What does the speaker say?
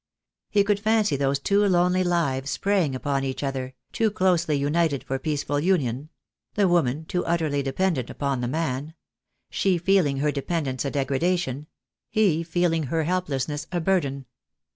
He could fancy those two lonely lives preying upon each other, too closely united for peaceful union; the woman too utterly dependent upon the man; she feeling her dependence a degradation; he feeling her helplessness a burden.